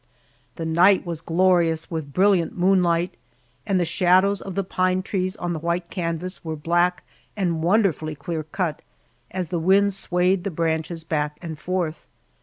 The night was glorious with brilliant moonlight, and the shadows of the pine trees on the white canvas were black and wonderfully clear cut, as the wind swayed the branches back and forth.